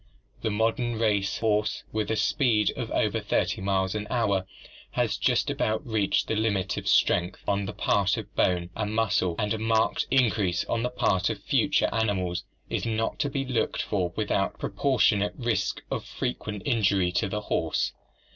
The modern race horse with a speed of over 30 miles an hour has just about reached the limit of strength on the part of bone and muscle, and a marked increase on the part of future animals is not to be looked for without proportionate risk of frequent injury to the horse.